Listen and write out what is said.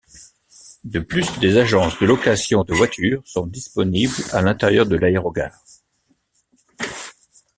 De plus des agences de location de voiture sont disponibles à l'intérieur de l'aérogare.